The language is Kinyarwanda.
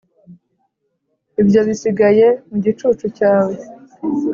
ibyo bisigaye mu gicucu cyawe